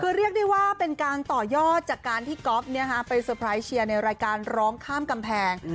คือเรียกได้ว่าเป็นการต่อยอดจากการที่ก๊อฟไปเตอร์ไพรส์เชียร์ในรายการร้องข้ามกำแพง